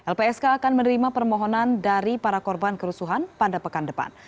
lpsk akan menerima permohonan dari para korban kerusuhan pada pekan depan